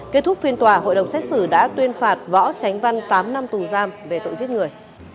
kết thúc phiên tòa hội đồng xét xử đã tuyên phạt võ tránh văn tám năm tù giam về tội giết người